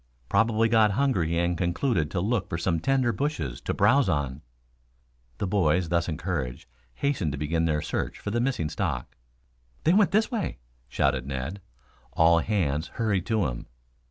Probably got hungry and concluded to look for some tender bushes to browse on." The boys, thus encouraged, hastened to begin their search for the missing stock. "They went this way," shouted Ned. All hands hurried to him.